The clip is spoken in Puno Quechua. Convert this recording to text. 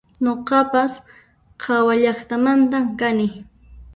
Nuqapas hawallaqtamantan kani